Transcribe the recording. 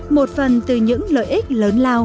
một phần từ những lợi ích lớn lao